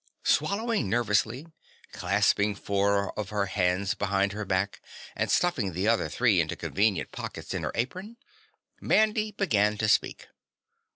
Swallowing nervously, clasping four of her hands behind her back and stuffing the other three into convenient pockets in her apron, Mandy began to speak.